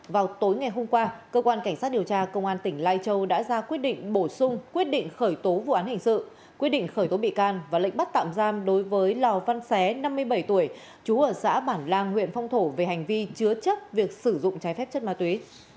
vào tối ngày hôm qua cơ quan cảnh sát điều tra công an tỉnh lai châu đã ra quyết định bổ sung quyết định khởi tố vụ án hình sự quyết định khởi tố bị can và lệnh bắt tạm giam đối với lò văn xé năm mươi bảy tuổi chú ở xã bản lang huyện phong thổ về hành vi chứa chấp việc sử dụng trái phép chất ma túy